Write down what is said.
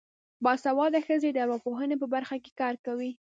باسواده ښځې د ارواپوهنې په برخه کې کار کوي.